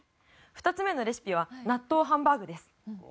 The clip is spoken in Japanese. ２つ目のレシピは納豆ハンバーグです。